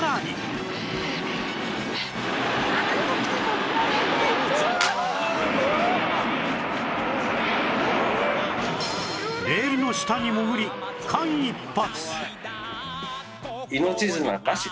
怖い」レールの下に潜り間一髪